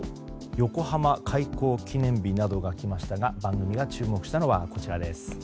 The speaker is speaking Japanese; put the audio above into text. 横浜開港記念日などがきましたが番組が注目したのはこちらです。